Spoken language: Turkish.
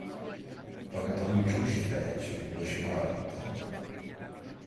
Fakat hanım çok şikâyetçi başımı ağrıttı.